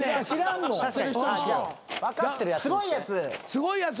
すごいやつ。